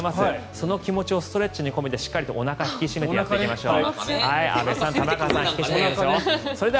その気持ちをストレッチに込めておなかを引き締めていきましょう。